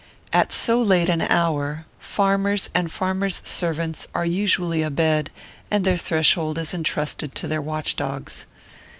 At so late an hour, farmers and farmers' servants are usually abed, and their threshold is intrusted to their watch dogs.